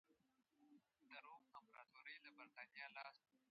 د موادو انجنیری د موادو استعمال ته وده ورکوي.